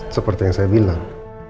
seperti yang saya bilang